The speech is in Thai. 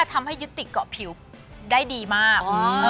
ทำให้ยึดติดเกาะผิวได้ดีมาก